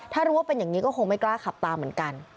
ถ้ารู้ว่าเป็นอย่างนี้ก็คงไม่กล้าขับตามเหมือนกัน